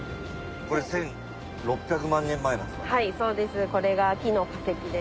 これ１６００万年前のやつだ。